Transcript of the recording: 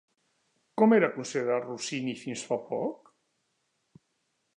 Com era considerat Rossini fins fa poc?